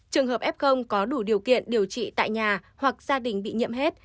trường hợp f có đủ điều kiện điều trị tại nhà hoặc gia đình bị nhiễm hết